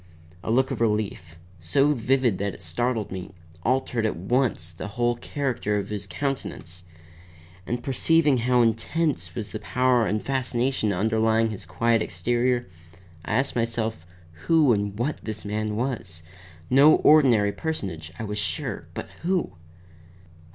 A look of relief, so vivid that it startled me, altered at once the whole character of his countenance; and perceiving how intense was the power and fascination underlying his quiet exterior, I asked myself who and what this man was; no ordinary personage, I was sure, but who?